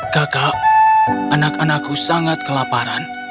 kakak anak anakku sangat kelaparan